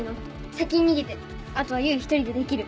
先に逃げてあとは唯１人でできる。